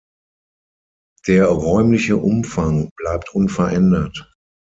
Der räumliche Umfang bleibt unverändert.